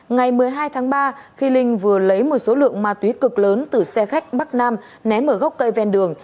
ngày một mươi hai tháng ba khi linh vừa lấy một số lượng ma túy cực lớn từ xe khách bắc nam ném ở gốc cây ven đường